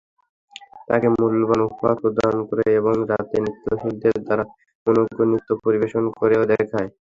তাকে মূল্যবান উপহার প্রদান করে এবং রাতে নৃত্যশিল্পীদের দ্বারা মনোজ্ঞ নৃত্য পরিবেশন করেও দেখায়।